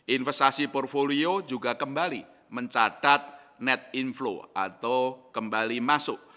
investasi portfolio juga kembali mencatat net inflow atau kembali masuk